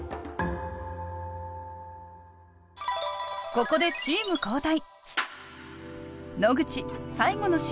ここでチーム交代。